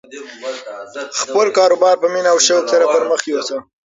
خپل کاروبار په مینه او شوق سره پرمخ یوسه.